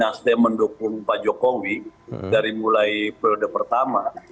nasdem mendukung pak jokowi dari mulai periode pertama